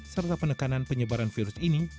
serta penekanan penyebaran virus ini